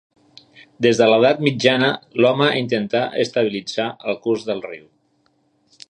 Des de l'edat mitjana l'home intentà estabilitzar el curs del riu.